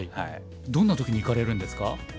どんな時に行かれるんですか？